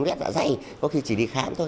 viết dạ dày có khi chỉ đi khám thôi